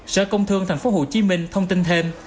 sở công thương tp hcm thông tin thêm